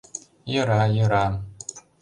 Йӧра, йӧра...